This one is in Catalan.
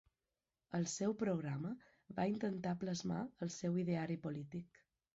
El seu programa va intentar plasmar el seu ideari polític.